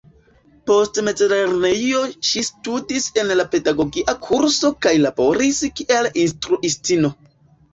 Post mezlernejo ŝi studis en pedagogia kurso kaj laboris kiel instruistino.